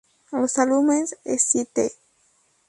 Los álbumes "Sgt.